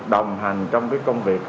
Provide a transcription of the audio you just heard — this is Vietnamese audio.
đồng hành trong công việc